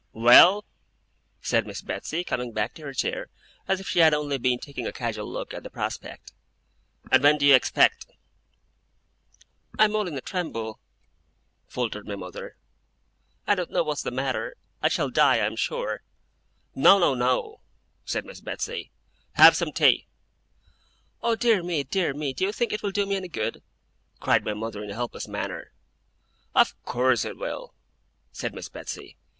'Well?' said Miss Betsey, coming back to her chair, as if she had only been taking a casual look at the prospect; 'and when do you expect ' 'I am all in a tremble,' faltered my mother. 'I don't know what's the matter. I shall die, I am sure!' 'No, no, no,' said Miss Betsey. 'Have some tea.' 'Oh dear me, dear me, do you think it will do me any good?' cried my mother in a helpless manner. 'Of course it will,' said Miss Betsey.